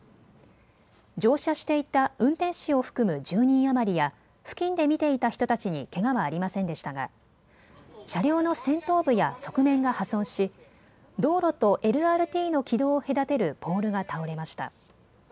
乗車していた運転士を含む１０人余りや付近で見ていた人たちにけがはありませんでしたが車両の先頭部や側面が破損し道路とＬＲＴの軌道を隔てるポールが倒れました。